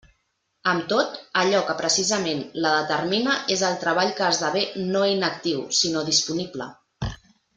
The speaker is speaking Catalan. Amb tot, allò que precisament la determina és el treball que esdevé no inactiu sinó disponible.